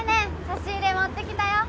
差し入れ持ってきたよ。